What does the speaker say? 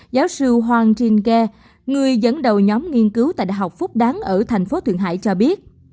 giáo sư hoàng trinh ghe người dẫn đầu nhóm nghiên cứu tại đại học phúc đáng ở thành phố thượng hải cho biết